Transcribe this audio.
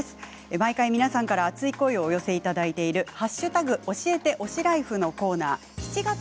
毎回、皆さんから熱い声をお寄せいただいている「＃教えて！推しライフ」のコーナー